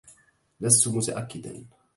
لست متأكّدا.